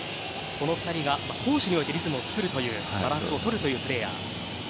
この２人が攻守においてリズムを作るバランスをとるというプレーヤー。